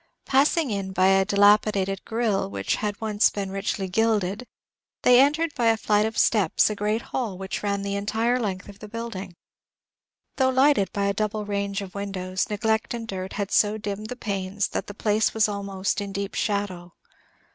Passing in by a dilapidated "grille" which once had been richly gilded, they entered by a flight of steps a great hall which ran the entire length of the building. Though lighted by a double range of windows, neglect and dirt had so dimmed the panes that the place was almost in deep shadow.